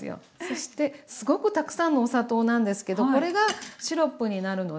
そしてすごくたくさんのお砂糖なんですけどこれがシロップになるので。